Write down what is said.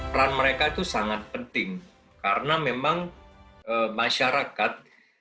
peran mereka itu sangat penting karena memang masyarakat